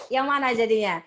yang mana jadinya